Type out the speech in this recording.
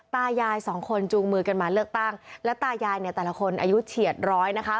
ตายายสองคนจูงมือกันมาเลือกตั้งแล้วตายายเนี่ยแต่ละคนอายุเฉียดร้อยนะคะ